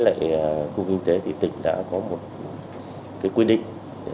và đối với lại khu kinh tế thì tỉnh đã có một quy định